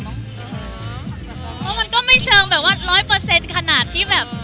เพราะมันก็ไม่เชิงแบบว่า๑๐๐ขนาดที่แบบ